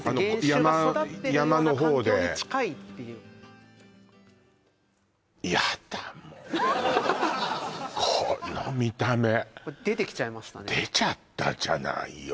山の方で原種が育ってるような環境に近いっていうこの見た目出てきちゃいましたね出ちゃったじゃないよ